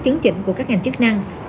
chứng chỉnh của các ngành chức năng